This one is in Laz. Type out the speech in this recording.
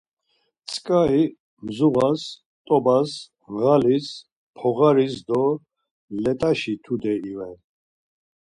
Tzǩari mzuğas, t̆obas, ğalis, poğaris do let̆aşi tude iven.